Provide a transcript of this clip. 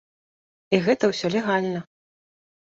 І гэта ўсё легальна.